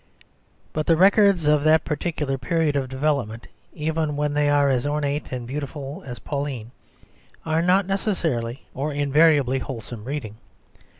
But the records of that particular period of development, even when they are as ornate and beautiful as Pauline, are not necessarily or invariably wholesome reading.